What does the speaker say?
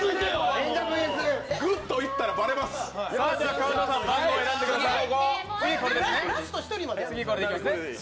川島さん、番号選んでください。